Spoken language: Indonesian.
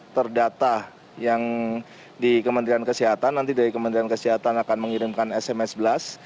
terdata yang di kementerian kesehatan nanti dari kementerian kesehatan akan mengirimkan sms blast